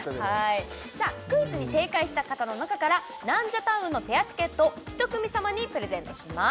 クイズに正解した方の中からナンジャタウンのペアチケットを１組さまにプレゼントします